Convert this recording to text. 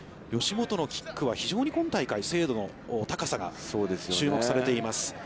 吉本のキックは非常に今大会精度の高さが注目されています。